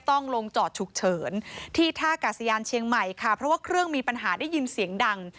ต้องลงจอดฉุกเฉินที่ท่ากาศยานเชียงใหม่ค่ะเพราะว่าเครื่องมีปัญหาได้ยินเสียงดัง